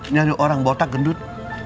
nyari orang botak gendut